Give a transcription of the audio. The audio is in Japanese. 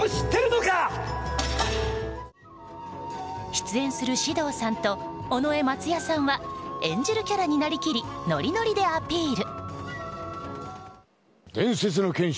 出演する獅童さんと尾上松也さんは演じるキャラになりきりノリノリでアピール！